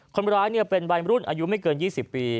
คนร้ายเนี่ยเป็นวัยรุ่นอายุไม่เกินยี่สิบปี